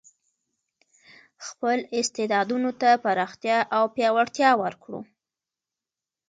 خپل استعدادونو ته پراختیا او پیاوړتیا ورکړو.